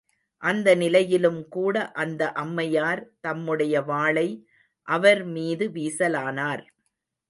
அந்த நிலையிலும்கூட அந்த அம்மையார் தம்முடைய வாளை அவர் மீது வீசலானார்.